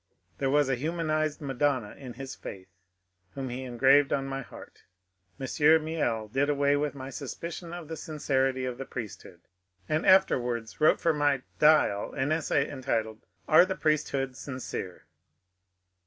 There was a humanized Madonna in his faith whom he eng^ved on my heart Monsieur Miel did away with my suspicion of the sin cerity of the priesthood, and afterwards wrote for my ^^ Dial " an essay entitled ^^ Are the Priesthood Sincere